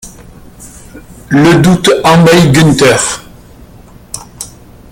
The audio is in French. Le doute envahit Gunther.